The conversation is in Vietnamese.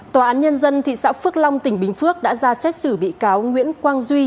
tòa án nhân dân thị xã phước long tỉnh bình phước đã ra xét xử bị cáo nguyễn quang duy